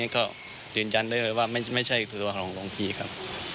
ก็ยืนยันได้เลยว่าไม่ใช่ตัวของหลวงพี่ครับ